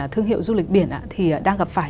thương hiệu du lịch biển thì đang gặp phải